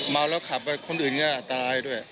เมาแล้วขับไปคนอื่นก็อันตรายด้วย